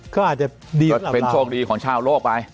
ก็อาจจะดีก็เป็นโชคดีของชาวโลกไป